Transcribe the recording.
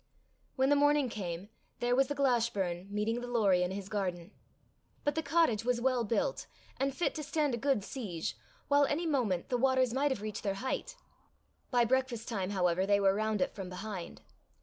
When the morning came, there was the Glashburn meeting the Lorrie in his garden. But the cottage was well built, and fit to stand a good siege, while any moment the waters might have reached their height. By breakfast time, however, they were round it from behind.